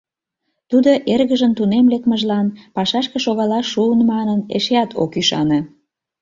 Тудо эргыжын тунем лекмыжлан, пашашке шогалаш шуын манын, эшеат ок ӱшане.